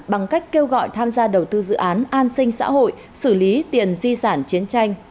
bằng cách kêu gọi tham gia đầu tư dự án an sinh xã hội xử lý tiền di sản chiến tranh